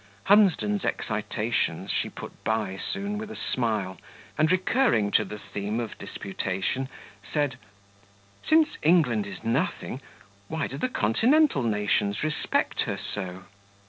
Hunsden's excitations she put by soon with a smile, and recurring to the theme of disputation, said "Since England is nothing, why do the continental nations respect her so?"